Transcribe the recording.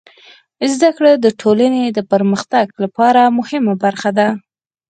زدهکړه د ټولنې د پرمختګ لپاره مهمه برخه ده.